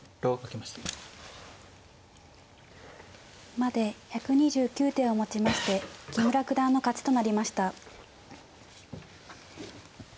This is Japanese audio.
まで１２９手をもちまして木村九段の勝ちとなりました。